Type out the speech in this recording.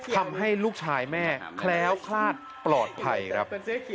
ทำให้ลูกชายแม่แคล้วคลาดปลอดภัยครับ